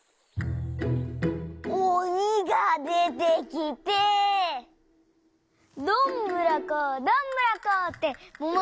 おにがでてきて「どんぶらこどんぶらこ」ってももがながれてきて。